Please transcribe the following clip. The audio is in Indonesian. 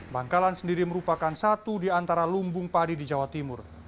bangkalan sendiri merupakan satu di antara lumbung padi di jawa timur